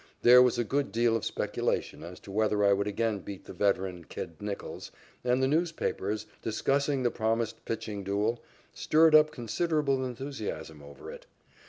There was a good deal of speculation as to whether I would again beat the veteran "Kid" Nichols, and the newspapers, discussing the promised pitching duel, stirred up considerable enthusiasm over it.